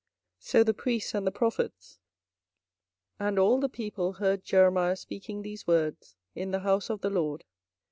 24:026:007 So the priests and the prophets and all the people heard Jeremiah speaking these words in the house of the LORD.